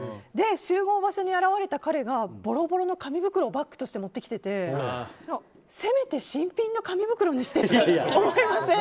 集合場所に現れた彼がぼろぼろの紙袋をバッグとして持ってきててせめて、新品の紙袋にしてって思いません？